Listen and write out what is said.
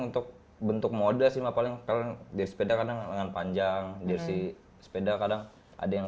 untuk bentuk mode sih paling kalian di sepeda kadang lengan panjang jersi sepeda kadang ada yang